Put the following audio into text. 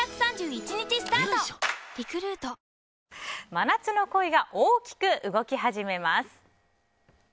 真夏の恋が大きく動き始めます。